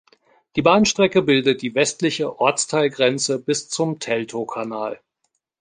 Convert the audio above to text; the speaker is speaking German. Die Bahnstrecke bildet die westliche Ortsteilgrenze bis zum Teltowkanal.